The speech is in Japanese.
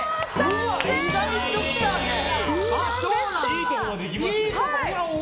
いいところまでいきましたね。